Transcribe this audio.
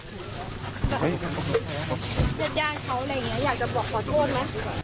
เจ็บยากเขาอะไรอย่างเงี้ยอยากจะบอกขอโทษมั้ย